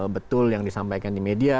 betul yang disampaikan di media